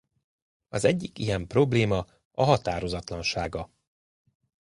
Az egyik ilyen probléma a határozatlansága.